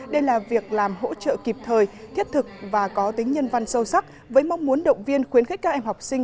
đây là việc làm hỗ trợ kịp thời thiết thực và có tính nhân văn sâu sắc với mong muốn động viên khuyến khích các em học sinh